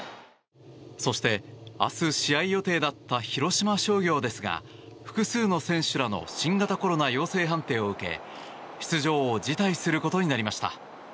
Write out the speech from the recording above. そして、明日試合予定だった広島商業ですが複数の選手らの新型コロナ陽性判定を受け出場を辞退することになりました。